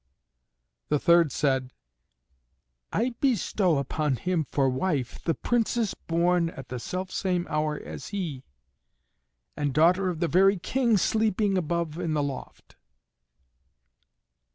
The third said, "I bestow upon him for wife the Princess born at the self same hour as he, and daughter of the very King sleeping above in the loft."